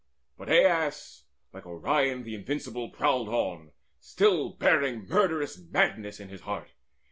But Aias, like Orion the invincible, prowled on, Still bearing murderous madness in his heart.